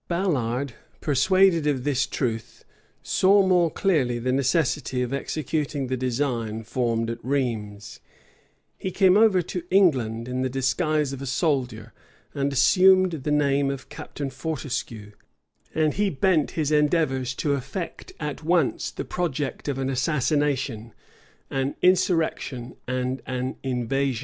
Ballard, persuaded of this truth, saw more clearly the necessity of executing the design formed at Rheims; he came over to England in the disguise of a soldier, and assumed the name of Captain Fortescue; and he bent his endeavors to effect at once the project of an assassination, an insurrection, and an invasion.